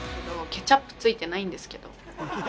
ケチャップついてないんですけど。